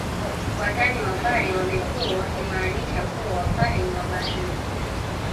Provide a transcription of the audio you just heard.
Watani wa wapare wamekuwa wakimaanisha kuwa wapare ni wabahili